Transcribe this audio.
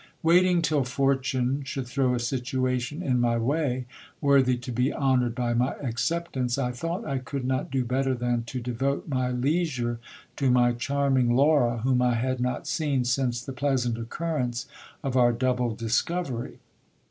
Waiting till fortune should throw a situation in my way, worthy to be hon oured by my acceptance, I thought I could not do better than to devote my leisure to my charming Laura, whom I had not seen since the pleasant occur rence of our double discovery.